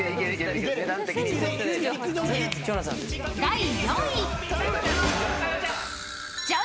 ［第４位］